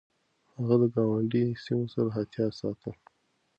هغه د ګاونډي سيمو سره احتياط ساته.